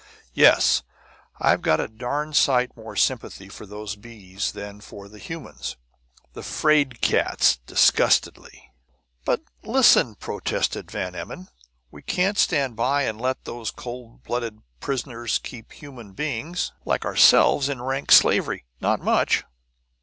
"Yes! I've got a darned sight more sympathy for those bees than for the humans! The 'fraid cats!" disgustedly. "But listen," protested Van Emmon. "We can't stand by and let those cold blooded prisoners keep human beings, like ourselves, in rank slavery! Not much!"